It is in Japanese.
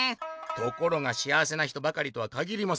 「ところがしあわせな人ばかりとはかぎりません。